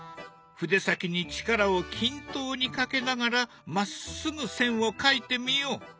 筆先に力を均等にかけながらまっすぐ線を描いてみよう。